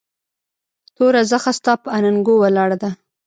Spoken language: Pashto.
توره زخه ستا پهٔ اننګو ولاړه ده